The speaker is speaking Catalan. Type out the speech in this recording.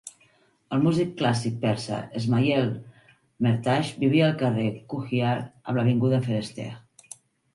El músic clàssic persa Esmaiel Mehrtash vivia al carrer Koohyar amb l'avinguda Fereshteh.